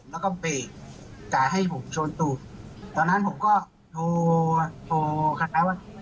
แล้วก็เปลี่ยนการให้ผมโชว์ตูตตอนนั้นผมก็โทรโทรค่ะแม้ว่า